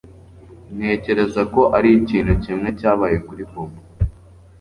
Ntekereza ko arikintu kimwe cyabaye kuri Bobo